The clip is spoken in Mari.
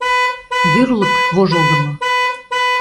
Гӱрлык — вожылдымо.